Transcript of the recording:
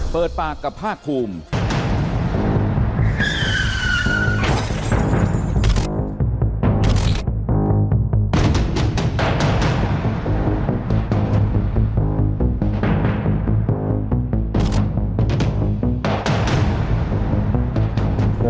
เปิดปากกับภาคภูมิ